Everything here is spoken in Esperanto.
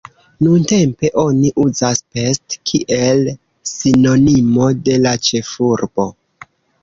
Nuntempe oni uzas "Pest", kiel sinonimo de la ĉefurbo.